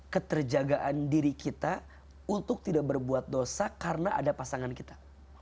keterjagaan diri kita untuk tidak berbuat dosa karena ada pasangan kita